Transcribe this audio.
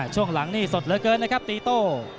ช่วงหลังนี่สดเหลือเกินนะครับตีโต้